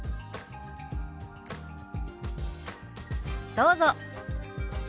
どうぞ。